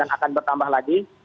akan bertambah lagi